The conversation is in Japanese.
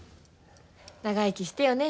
長生きしてよね